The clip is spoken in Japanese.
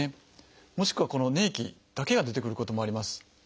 もしくはこの粘液だけが出てくることもあります。